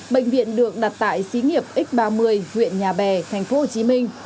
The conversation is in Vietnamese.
bệnh viện được đặt tại xí nghiệp x ba mươi huyện nhà bè thành phố hồ chí minh